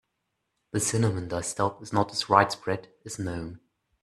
The cinnamon desktop is not as widespread as gnome.